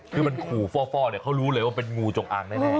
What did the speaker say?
คือมันขู่ฟ่อเนี่ยเขารู้เลยว่าเป็นงูจงอางแน่